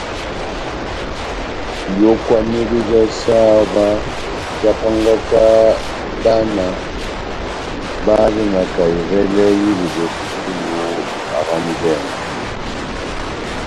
Iyókwanedo já saha óvah jahápángaka bána bájanaka evɛlɛ yá iledɛ sukulu havanidɛngo.